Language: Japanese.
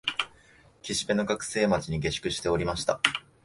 岸辺の学生町に下宿しておりました